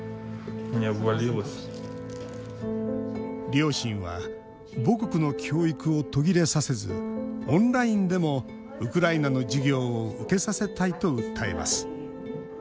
両親は母国の教育を途切れさせずオンラインでもウクライナの授業を受けさせたいと訴えます。